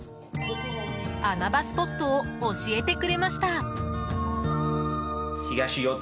穴場スポットを教えてくれました。